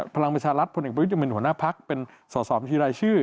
พลังประชารัฐพลเอกประยุทธ์เป็นหัวหน้าพักเป็นสอบบัญชีรายชื่อ